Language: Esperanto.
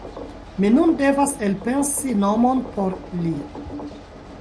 Mi nun devas elpensi nomon por li.